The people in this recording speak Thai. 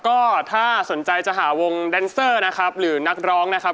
โอเคหรือเปล่า